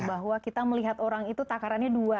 bahwa kita melihat orang itu takarannya dua